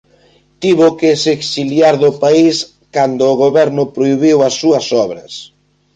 Tivo que se exiliar do país cando o goberno prohibiu as súas obras.